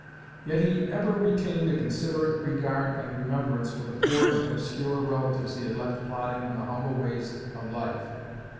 Yet he ever retained a considerate regard and remembrance for the poor and obscure relatives he had left plodding in the humble ways of life.